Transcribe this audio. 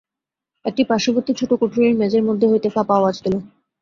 একটি পার্শ্ববর্তী ছোটো কুঠরির মেঝের মধ্য হইতে ফাঁপা আওয়াজ দিল।